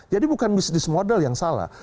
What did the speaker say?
jadi bukan bisnis model yang salah